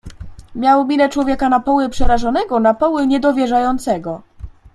"Miał minę człowieka na poły przerażonego, na poły niedowierzającego."